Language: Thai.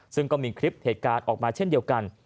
ซึ่งก็มีคลิปเหตุการณ์ออกมาเช่นเดียวกัน